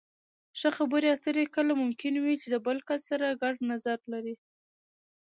ښه خبرې اترې کله ممکنې وي چې د بل کس سره ګډ نظر لرئ.